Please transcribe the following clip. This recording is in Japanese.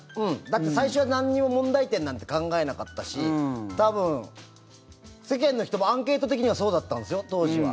だって、最初はなんにも問題点なんて考えなかったし多分、世間の人もアンケート的にはそうだったんですよ、当時は。